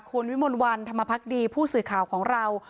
คุณวิมลวันธรรมพักดีผู้สื่อข่าวของเรา